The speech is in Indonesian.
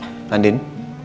sampai jumpa di rumah kamu